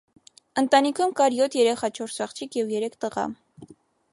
Ընտանիքում կար յոթ երեխա՝ չորս աղջիկ և երեք տղա։